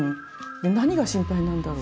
で何が心配なんだろう？